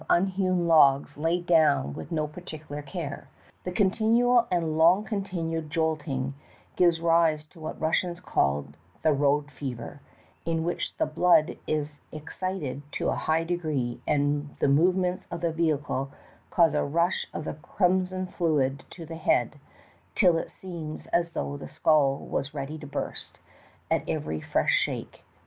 unhewn logs laid down with no particular care. The continual and long continued jolting gives rise to what the Russians call "the road fever," in which the blood is excited to a high degree and the movements of the vehicle cause a rush of the crimson fluid to the head, till it seems as though the skull was ready to burst at every fresh shake.